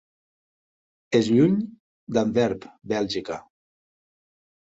És lluny d'Antwerp, Bèlgica.